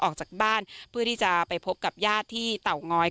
ออกจากบ้านเพื่อที่จะไปพบกับญาติที่เตาง้อย